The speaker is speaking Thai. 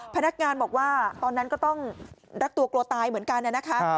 พนักงานบอกว่าตอนนั้นก็ต้องรักตัวกลัวตายเหมือนกันนะคะ